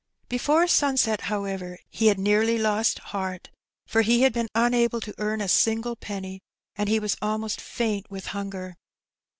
Before sunset^ however^ he had nearly lost hearty for he had been unable to earn a single penny^ and he was almost faint with hunger.